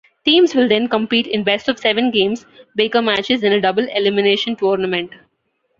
Teams will then compete in best-of-seven-games Baker matches in a double elimination tournament.